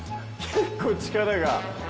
結構力が。